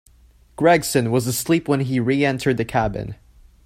Gregson was asleep when he re-entered the cabin.